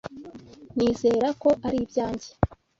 Nizera ko ari ibyanjye.